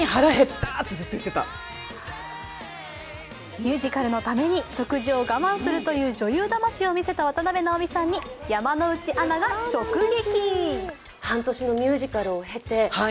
ミュージカルのために食事を我慢するという女優魂を見せた渡辺直美さんに山内アナが直撃。